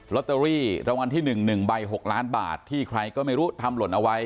ตเตอรี่รางวัลที่๑๑ใบ๖ล้านบาทที่ใครก็ไม่รู้ทำหล่นเอาไว้